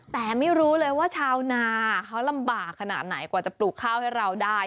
แต่ไม่รู้เลยว่าชาวนาเขาลำบากขนาดไหนกว่าจะปลูกข้าวให้เราได้